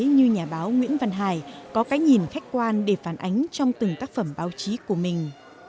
như nhà báo nguyễn văn hải có cái nhìn khách quan để phản ánh trong từng tác phẩm báo chí của mình